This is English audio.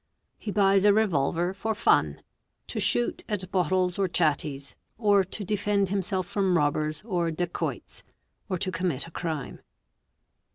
He buys a revolver for fun—to shoot at bottles or chatties, or to defend himself from robbers or dacoits, or to commit acrime.